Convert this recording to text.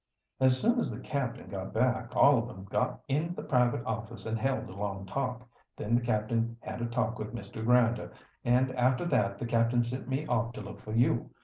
"As soon as the captain got back all of 'em got in the private office and held a long talk. Then the captain had a talk with Mr. Grinder, and after that the captain sent me off to look for you.